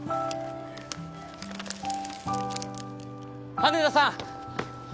羽田さん